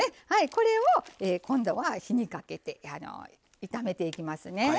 これを、今度は火にかけて炒めていきますね。